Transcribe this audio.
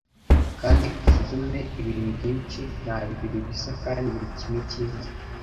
Kandi usuzume ibintu byinshi, nta bibiri bisa kandi buri kimwe cyiza,